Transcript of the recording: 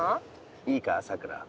いいかさくら。